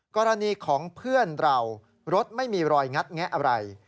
กรณีของเพื่อนเรารถไม่มีรอยงัดแงะอะไร